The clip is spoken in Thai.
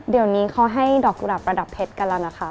เดี๋ยวนี้เขาให้ดอกกุหลาบประดับเพชรกันแล้วนะคะ